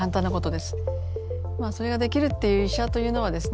それができるっていう医者というのはですね